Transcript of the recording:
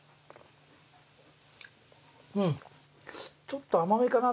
うんちょっと甘めかな。